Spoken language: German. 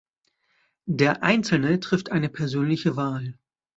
Der Einzelne trifft eine persönliche Wahl.